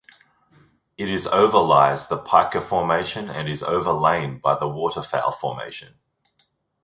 It is overlies the Pika Formation and is overlain by the Waterfowl Formation.